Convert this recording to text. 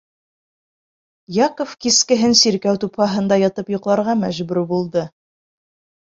Яков кискеһен сиркәү тупһаһында ятып йоҡларға мәжбүр булды.